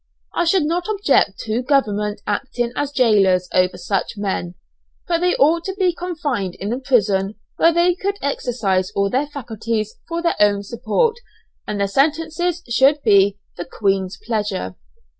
I should not object to government acting as jailers over such men, but they ought to be confined in a prison where they could exercise all their faculties for their own support, and their sentences should be the "Queen's pleasure".